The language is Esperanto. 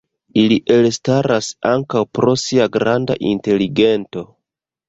Ili elstaras ankaŭ pro sia granda inteligento.